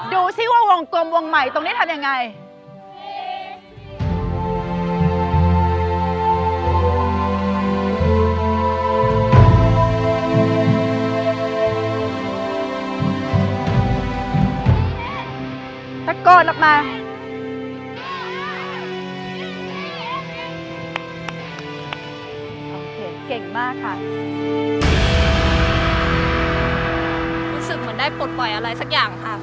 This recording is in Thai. รู้สึกเหมือนได้ปลดปล่อยอะไรสักอย่าง